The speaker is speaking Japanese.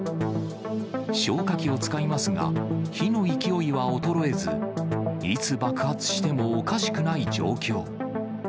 消火器を使いますが、火の勢いは衰えず、いつ爆発してもおかしくない状況。